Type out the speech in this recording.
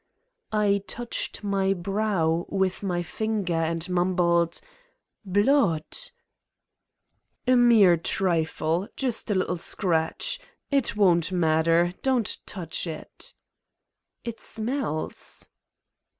I touched my brow with my finger and mumbled : "Blood. ..." "A mere trifle, just a little scratch. It won't matter. Don't touch it." "It smells."